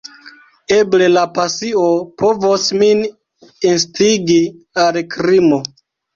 Eble la pasio povos min instigi al krimo.